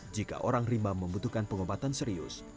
jika orang rimba membutuhkan pengobatan serius